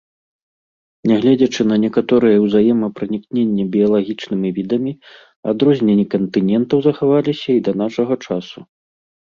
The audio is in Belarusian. Негледзячы на некаторае узаемапранікненне біялагічнымі відамі, адрозненні кантынентаў захаваліся і да нашага часу.